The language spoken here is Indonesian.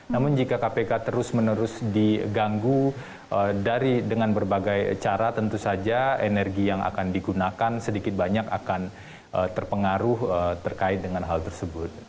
namun jika kpk terus menerus diganggu dengan berbagai cara tentu saja energi yang akan digunakan sedikit banyak akan terpengaruh terkait dengan hal tersebut